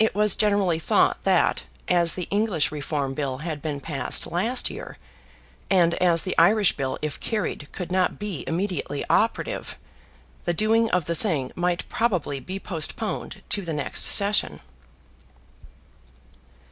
It was generally thought that, as the English Reform Bill had been passed last year, and as the Irish bill, if carried, could not be immediately operative, the doing of the thing might probably be postponed to the next session.